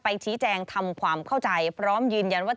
ชี้แจงทำความเข้าใจพร้อมยืนยันว่า